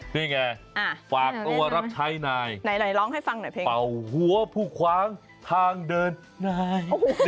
นี่ไงฝากตัวรับใช้นายเป่าหัวผู้คว้างทางเดินนาย